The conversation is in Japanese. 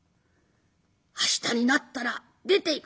明日になったら出ていく」。